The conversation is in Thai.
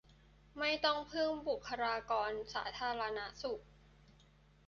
ไม่ต้องพึ่งบุคลากรสาธารณสุข